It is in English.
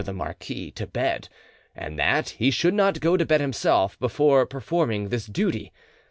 the marquis to bed, and that he should not go to bed himself before performing this duty.